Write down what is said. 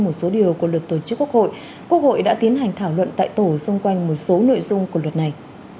một số điều của luật tổ chức quốc hội quốc hội đã tiến hành thảo luận tại tổ xung quanh một số nội dung của luật này